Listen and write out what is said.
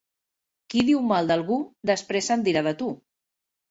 Qui diu mal d'algú, després en dirà de tu.